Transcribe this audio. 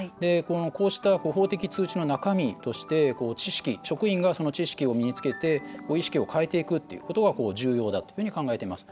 こうした法的通知の中身として職員が知識を身に着けて意識を変えていくことが重要だというふうに考えてます。